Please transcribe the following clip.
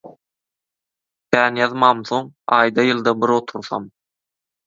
Kän ýazmamsoň, aýda-ýylda bir otursam